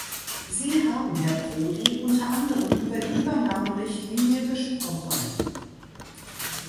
Sie haben, Herr Prodi, unter anderem über die Übernahmerichtlinie gesprochen.